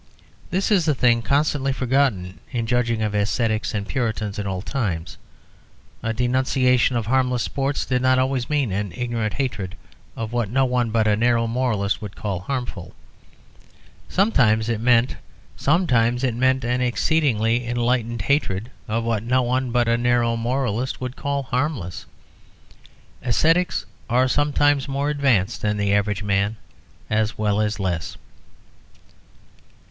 This is a thing constantly forgotten in judging of ascetics and Puritans in old times. A denunciation of harmless sports did not always mean an ignorant hatred of what no one but a narrow moralist would call harmful. Sometimes it meant an exceedingly enlightened hatred of what no one but a narrow moralist would call harmless. Ascetics are sometimes more advanced than the average man, as well as less.